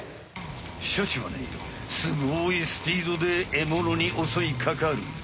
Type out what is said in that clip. シャチはねすごいスピードでえものにおそいかかる。